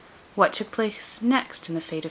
What took place next in the fate of M.